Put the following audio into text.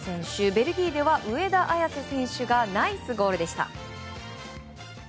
ベルギーでは上田綺世選手がナイスゴールでした。